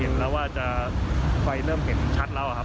เห็นแล้วว่าจะไฟเริ่มเห็นชัดแล้วครับ